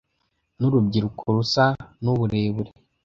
N'urubyiruko, rusa n'uburebure,